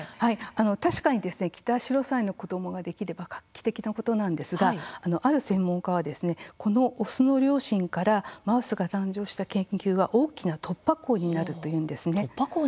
確かにキタシロサイの子どもができれば画期的なことなんですがある専門家はこのオスの両親からマウスが誕生した研究が大きな突破口になるというんです。